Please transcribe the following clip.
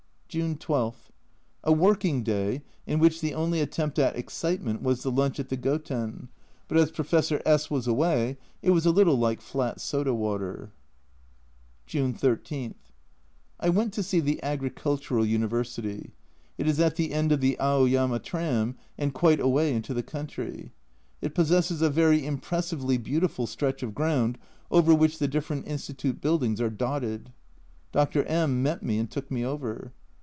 June 12. A working day, in which the only attempt at excitement was the lunch at the Goten, but as Professor S was away it was a little like flat soda water. June 13. I went to see the Agricultural University ; it is at the end of the Aoyama tram, and quite away into the country. It possesses a very impressively beautiful stretch of ground, over which the different Institute Buildings are dotted. Dr. M met me and took me over.